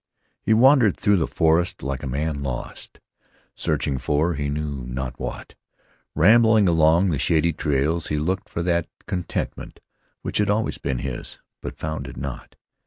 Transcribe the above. He wandered through the forest like a man lost, searching for, he knew not what. Rambling along the shady trails he looked for that contentment which had always been his, but found it not.